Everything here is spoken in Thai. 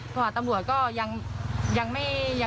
โทรหาตำรวจก็ยังไม่มา